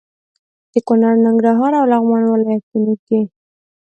د کونړ، ننګرهار او لغمان ولايتونو کې